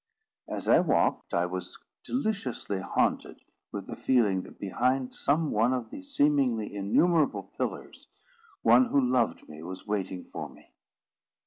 As I walked, I was deliciously haunted with the feeling that behind some one of the seemingly innumerable pillars, one who loved me was waiting for me.